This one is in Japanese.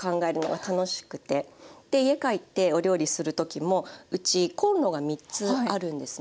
で家帰ってお料理する時もうちコンロが３つあるんですね。